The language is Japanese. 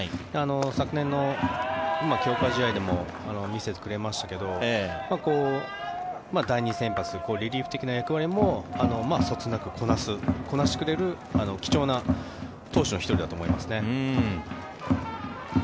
昨年の強化試合でも見せてくれましたけど第２先発でリリーフ的な役割もそつなくこなす、こなしてくれる貴重な投手の１人だと思いますね。